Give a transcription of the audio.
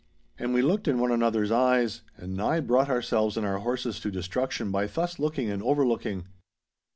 And we looked in one another's eyes, and nigh brought ourselves and our horses to destruction by thus looking and overlooking.